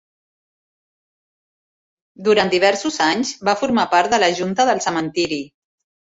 Durant diversos anys, va formar part de la junta del cementiri.